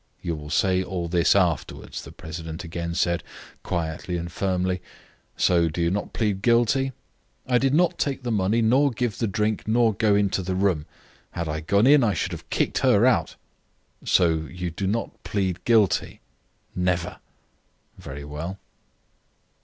"You will say all this afterwards," the president again said, quietly and firmly. "So you do not plead guilty?" "I did not take the money nor give the drink, nor go into the room. Had I gone in I should have kicked her out." "So you do not plead guilty?" "Never." "Very well."